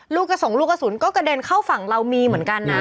ลูกกระสงลูกกระสุนก็กระเด็นเข้าฝั่งเรามีเหมือนกันนะ